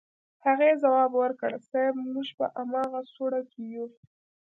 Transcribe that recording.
هغې ځواب ورکړ صيب موږ په امغه سوړه کې يو.